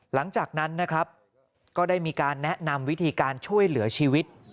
หลังจากนั้นนะครับก็ได้มีการแนะนำวิธีการช่วยเหลือชีวิต